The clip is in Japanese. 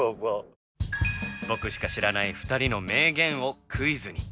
僕しか知らない２人の名言をクイズに。